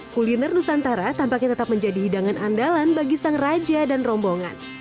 kuliner nusantara tampaknya tetap menjadi hidangan andalan bagi sang raja dan rombongan